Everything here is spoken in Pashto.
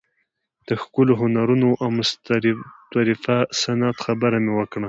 د ښکلو هنرونو او مستطرفه صنعت خبره مې وکړه.